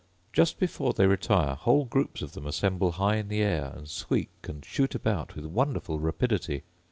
Just before they retire whole groups of them assemble high in the air, and squeak, and shoot about with wonderful rapidity.